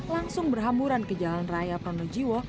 langsung berhamburan ke jalan raya pronojiwo